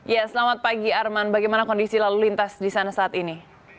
ya selamat pagi arman bagaimana kondisi lalu lintas di sana saat ini